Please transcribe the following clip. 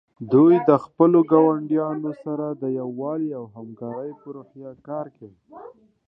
دوی د خپلو ګاونډیانو سره د یووالي او همکارۍ په روحیه کار کوي.